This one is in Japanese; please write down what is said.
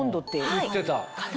言ってた。